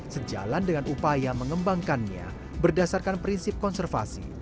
sejalan dengan upaya mengembangkannya berdasarkan prinsip konservasi